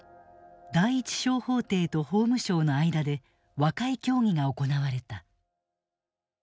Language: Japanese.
第一小法廷と法務省の間で和解協議が行われた。